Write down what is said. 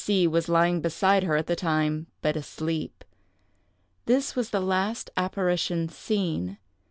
C—— was lying beside her at the time, but asleep. This was the last apparition seen.